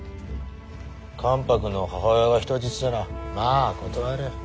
関白の母親が人質ならま断れん。